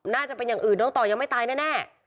น่าจะเป็นอย่างอื่นน้องต่อยังไม่ตายแน่